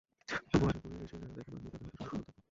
তবু আশা করে এসে যাঁরা দেখা পাননি, তাঁদের হতাশ হওয়ার কারণ থাকবে।